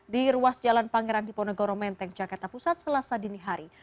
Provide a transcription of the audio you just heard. di ruas jalan pangerang di ponegoro menteng jakarta pusat selasa dini hari